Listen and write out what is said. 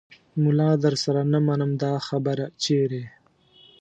ملا درسره نه منمه دا خبره چیرې